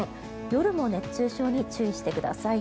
夜も熱中症に注意してください。